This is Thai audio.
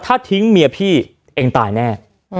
ถ้าทิ้งเมียพี่เองตายแน่